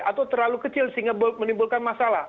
atau terlalu kecil sehingga menimbulkan masalah